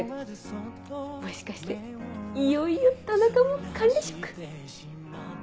もしかしていよいよ田中も管理職？